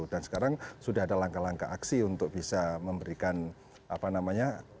dan sekarang sudah ada langkah langkah aksi untuk bisa memberikan apa namanya